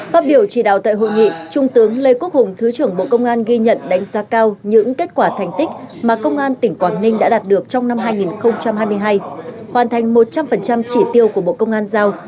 phát biểu chỉ đạo tại hội nghị trung tướng lê quốc hùng thứ trưởng bộ công an ghi nhận đánh giá cao những kết quả thành tích mà công an tỉnh quảng ninh đã đạt được trong năm hai nghìn hai mươi hai hoàn thành một trăm linh chỉ tiêu của bộ công an giao